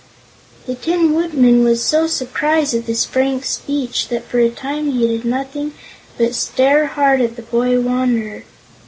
The Tin Woodman was so surprised at this frank speech that for a time he did nothing but stare hard at the boy Wanderer.